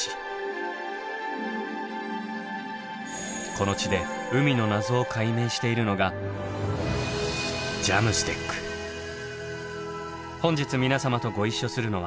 この地で海の謎を解明しているのが本日皆様とご一緒するのは。